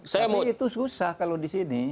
tapi itu susah kalau di sini